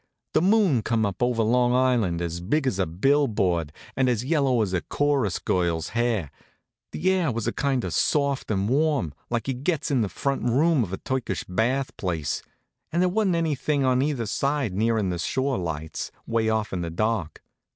The moon come up over Long Island, as big as a bill board and as yellow as a chorus girl's hair; the air was kind of soft and warm, like you gets it in the front room of a Turkish bath place; and there wa'n't anything on either side nearer'n the shore lights, way off in the dark.